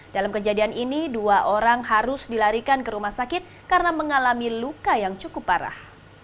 dalam kejadian ini dua orang harus dilarikan ke rumah sakit karena mengalami luka yang cukup parah